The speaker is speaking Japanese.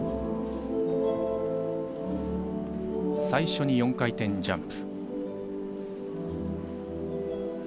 最初に４回転ジャンプ。